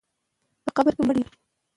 د وېښتو غوړول د ودې لپاره مهم دی.